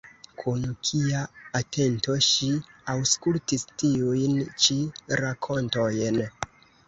Kun kia atento ŝi aŭskultis tiujn ĉi rakontojn!